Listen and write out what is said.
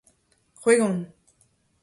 C'hwegont